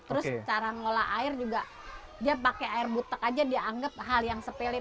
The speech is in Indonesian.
terus cara ngolah air juga dia pakai air butek aja dia anggap hal yang sepele